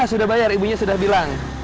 sudah bayar ibunya sudah bilang